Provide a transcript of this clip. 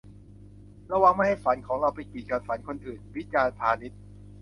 'ระวังไม่ให้ฝันของเรา ไปกีดกันฝันคนอื่น' - วิจารณ์ พานิช